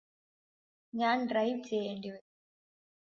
ഞാന് ഡ്രൈവ് ചെയ്യേണ്ടി വരും